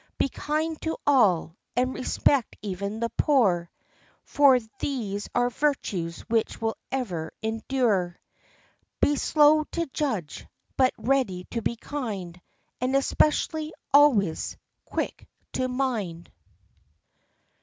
Be kind to all, and respect even the poor ; For these are virtues which will ever endure. Be slow to judge, but ready to be kind; And, especially, always quick to mind."